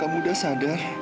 kamu sudah sadar